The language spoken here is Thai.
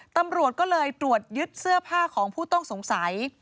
ตำรวจก็เลยตรวจยึดเสื้อผ้าของผู้ต้องสงสัย